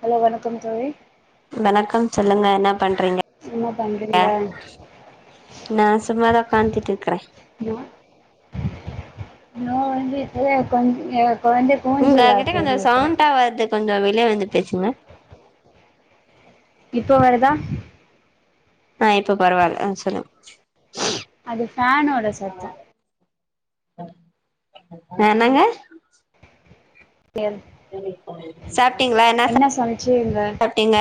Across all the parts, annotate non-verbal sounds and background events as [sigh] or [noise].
Hello வணக்கம் தோழி வணக்கம் சொல்லுங்க என்ன பண்றீங்க என்ன பண்றீங்க நா சும்மாதா உக்காந்துட்டு இருக்குற ஏ நா வந்து இப்பவே [inaudible] உங்க கிட்ட கொஞ்சோ சவுண்டா வருது கொஞ்சோ வெளிய வந்து பேசுங்க இப்போ வருதா ஆ இப்ப பரவால்ல அ சொல்லுங்க அது ஃபேனோட சத்தோ ஆ என்னங்க எல் சாப்டீங்களா என்ன சாப்டீங்க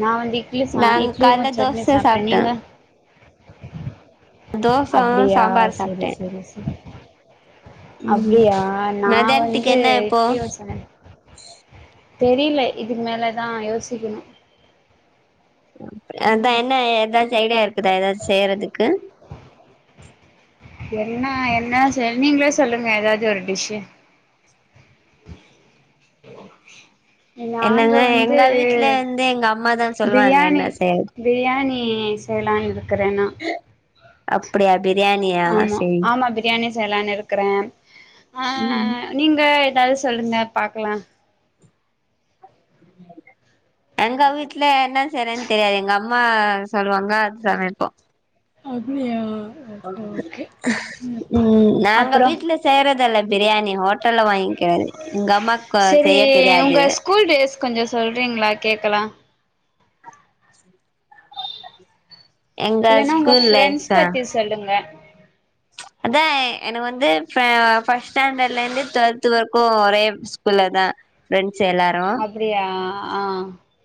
நா வந்தி இட்லி சா நாங்க இட்லியு வ கால்ல சட்னி தோச சாப்ட சாப்ட்டோ நீங்க தோச அப்டியா சாம்பார் சேரி சாப்ட்டே சேரி சேரி ம் அப்டியா நா மதியானத்துக்கு வந்து என்ன இப்போ இட்லி வெச்சொனே தெரல இதுக்கு மேலதா யோசிக்கணு அதா என்ன எதாச்சு ஐடியா இருக்குதா எதாச்சு செய்றதுக் க்கு என்ன என்ன சொல் நீங்களே சொல்லுங்க எதாவது ஒரு டிஷ்சு என்னங்க எங்க வீட்ல வந்து எங்க அம்மாதா சொல்வாங்க பிரியாணி என்ன செய் பிரியாணி செய்லான் க்கரனா அப்டியா எப் பிரியாணியா சேரி செய்லான் இருக்குற ஆ ம் நீங்க எதாவது சொல்லுங்க பாக்கலா எங்க வீட்ல என்ன செய்ரேன் தெரியாது எங்க அம்மா சொல்லுவாங்க அது சமைப்போ அப்டியா ஓகே ஓகே ம் நாங்க அப்புறோ வீட்ல செய்யுறதில்ல இப் பிரியாணி ஹோட்டல்ல வாங் கது எங்க அம்மாக்கு செய்ய தெரியாது கொஞ்ச சொல்றீங்களா கேக்கலா எங்க இல்லன்னா உங்க ஸ்கூல் லைஃப் ஃப்ரெண்ஸ் தா பத்தி சொல்லுங்க அதா எனக் வந்து ப ஃபஸ்டன்டேல இருந்து டுவெல்த் வரைக்கு ஒரே ஸ்கூல்ல த ப்ரெண்ட் அப்டியா ஆ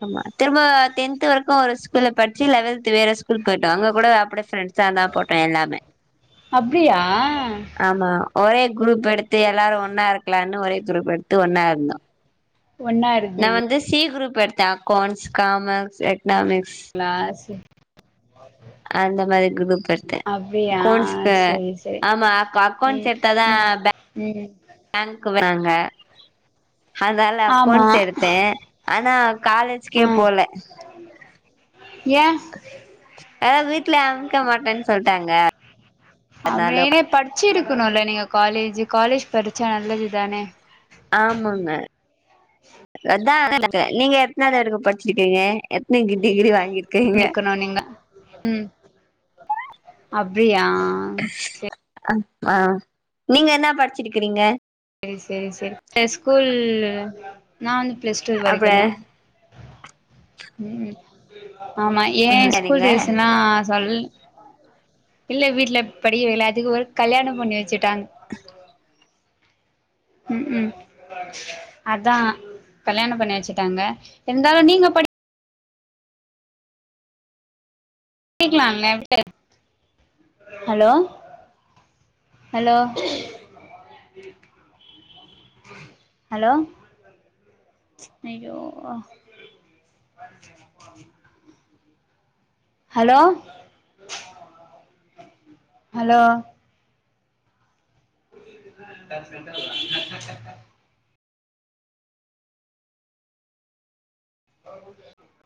ஆமா திரும்ப டென்த் வரைக்கு ஒரு ஸ்கூல்ல படிச்சு லெவெல்த் வேற ஸ்கூல் போயிட்டோ அங்க கூட அப்ப ஃப்ரண்ட்ஸா தா போட்டோ எல்லாமே அப்டியா ஆமா ஒரே குரூப் எடுத்து எல்லாரு ஒன்னா இருக்கலான் ஒரே குரூப் எடுத்து ஒன்னா இருந்தோ ஒன்னா நா இருந்தீங்களா வந்து சி குரூப் எடுத்த. அக்கேண்ஸ் காமஸ் எக்னாமிக்ஸ் க்ளாஸ் அந்த மாரி குரூப் எடுத்தே அப்டியா க்கோண்ஸ் க சரி சரி ஆமா அப்ப அக்கோண்ஸ் ம் எடுத்தாதா ம் பேங் ம் பேங்க் கூப்றாங்க அதனால ஆமா அக்கோன்ஸ் எடுத்தே ஆனா ஆ காலேஜ்க்கே போல ஏ ஏதா வித் வீட்ல அமய்க்க மாட்டே சொல்ட்டாங்க அதானால போ. காலேஜ் காலேஜ் படிச்ச நல்லது தானே ஆமாங்க அதா [unintelligible] நீங்க எத்தனவதுவரிக்கு படிச்சிருகீங்க எத்தனே டிகிரி வாங் உ இருக்கணு நீங்க ம் அப்டியியா ஆ நீங்க என்ன படிச்சிருகிங்க செரி செரி செரி இந்த ஸ்கூல் நா வந் ப்ளேஸ்டு அப்ப வரைகுத ம் ம் ஆமா ஏ ஸ்கூல் சரிங்க டேஸ்சுன்னா சொல் இல்ல வீட்டுல படி வேல அதிக கல்யாண பண்ணி வச்சுட்டாங்க ம் ம் அதா கல்யாண பண்ணி வச்சுட்டாங்க இருந்தாலு நீங்க படி க்கேலாலா ஹலோ ஹலோ ஹலோ ஐயோ ஆ ஹலோ ஹலோ ம் ஆ